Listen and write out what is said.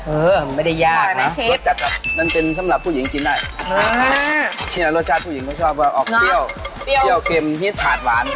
เออไม่ได้ยากนะรสชาติแบบนั้นเป็นสำหรับผู้หญิงกินได้ที่นี่รสชาติผู้หญิงก็ชอบว่าออกเปรี้ยวเพียงมีถาดหวาน